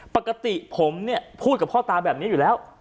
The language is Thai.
ปกติผมเนี่ยพูดกับพ่อตาแบบนี้อยู่แล้ว